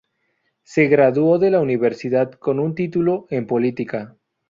Se graduó de la universidad con un título en política.